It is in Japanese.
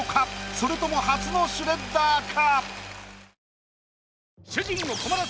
それとも初のシュレッダーか？